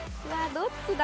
どっちだ？